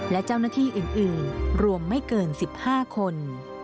และเจ้าหน้าที่อื่นรวมไม่เกิน๑๕คน